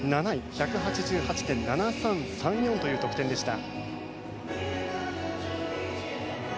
１８８．７３３４という得点でした。